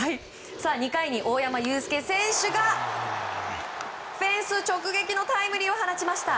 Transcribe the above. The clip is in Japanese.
２回に大山悠輔選手がフェンス直撃のタイムリーを放ちました。